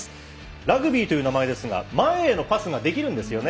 ラグビーという名前ですが前へのパスができるんですよね。